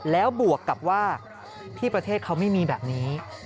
แล้วบวกกับว่าที่ประเทศเขาไม่มีแบบนี้